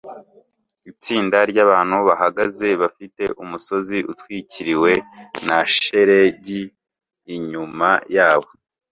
Itsinda ryabantu bahagaze bafite umusozi utwikiriwe na shelegi inyuma yabo